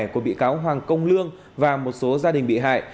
của bị cáo hoàng công lương và một số gia đình bị hại